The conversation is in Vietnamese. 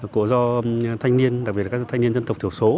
của do thanh niên đặc biệt là các thanh niên dân tộc thiểu số